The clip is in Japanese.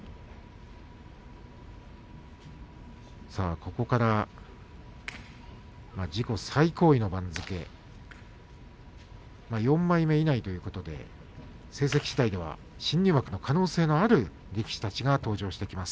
ここから自己最高位の番付４枚目以内になるということで成績しだいでは新入幕の可能性がある力士たちが登場してきます。